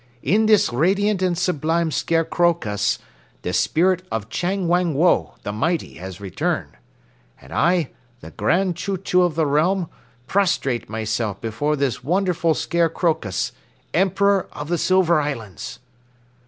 In this radiant and sublime Scarecrowcus, the spirit of Chang Wang Woe, the mighty, has returned. And I, the Grand Chew Chew of the realm, prostrate myself before this wonderful Scarecrowcus, Emperor of the Silver Islands."